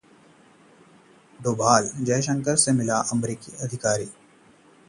डोभाल, जयशंकर से मिले अमेरिकी अधिकारी